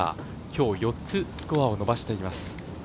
今日４つスコアを伸ばしています。